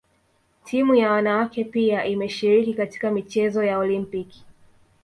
Timu ya wanawake pia imeshiriki katika michezo ya Olimpiki